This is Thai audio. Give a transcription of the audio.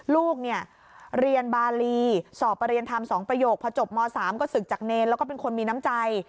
ลูกเนี่ยเรียนบารีสอบประเรียนธรรม๒ประโยคพอจบม๓ก็ศึกจากเนรแล้วก็เป็นคนมีน้ำใจ